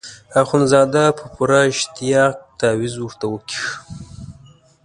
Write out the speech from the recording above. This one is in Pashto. اخندزاده په پوره اشتیاق تاویز ورته وکیښ.